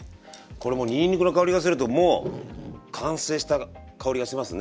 これもうにんにくの香りがするともう完成した香りがしますね。